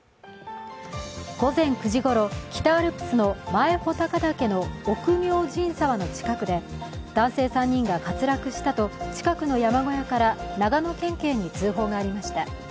午前９時ごろ、北アルプスの前穂高岳の奥明神沢の近くで男性３人が滑落したと近くの山小屋から長野県警に通報がありました。